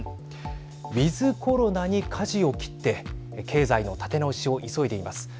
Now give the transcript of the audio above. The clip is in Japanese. ウィズコロナにかじを切って経済の立て直しを急いでいます。